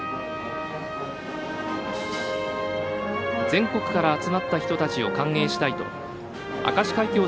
全国から集まった人たちを歓迎したいと明石海峡